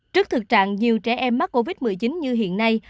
trước thực trạng nhiều trẻ em mắc covid một mươi chín như hiện nay